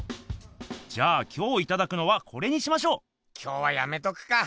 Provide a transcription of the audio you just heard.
じゃあ今日いただくのはこれにしましょう！今日はやめとくか。